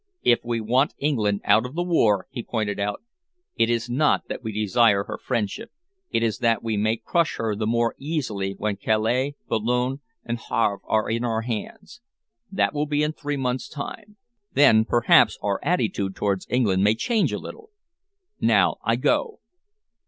"If we want England out of the war," he pointed out, "it is not that we desire her friendship. It is that we may crush her the more easily when Calais, Boulogne and Havre are in our hands. That will be in three months' time. Then perhaps our attitude towards England may change a little! Now I go."